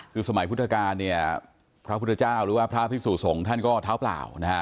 คือสมัยพุทธกาลเนี่ยพระพุทธเจ้าหรือว่าพระพิสุสงฆ์ท่านก็เท้าเปล่านะฮะ